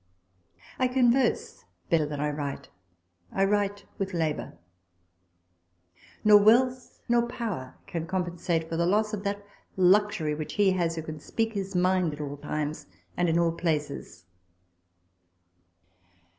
I converse better than I write ; I write with labour. 92 RECOLLECTIONS OF THE Nor wealth, nor power, can compensate for the loss of that luxury which he has, who can speak his mind, at all times and in all places.